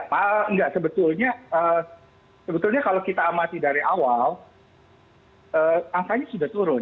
pak enggak sebetulnya sebetulnya kalau kita amati dari awal angkanya sudah turun